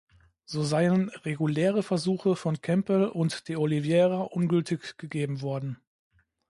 So seien reguläre Versuche von Campbell und de Oliveira ungültig gegeben worden.